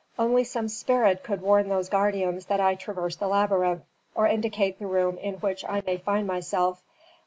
Only some spirit could warn those guardians that I traverse the labyrinth, or indicate the room in which I may find myself.